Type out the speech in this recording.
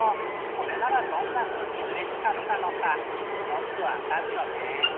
これならどんなふうにうれしかったのかよくわかるよね。